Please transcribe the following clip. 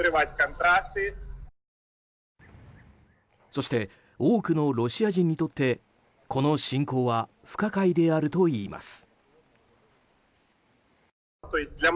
そして多くのロシア人にとってこの侵攻は不可解であるといいます。